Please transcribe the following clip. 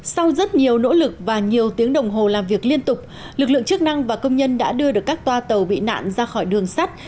sau rất nhiều nỗ lực và nhiều tiếng đồng hồ làm việc liên tục lực lượng chức năng và công nhân đã đưa được các toa tàu bị nạn ra khỏi đường sắt